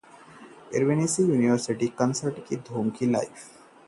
इन्वर्टिस university में मोहित चौहान की life in concert की धूम